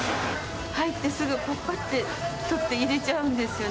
入ってすぐ、ぱっぱって取って入れちゃうんですよね。